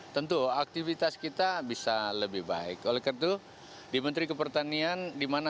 tentu aktivitas kita bisa lebih baik oleh kertu di menteri kepertanian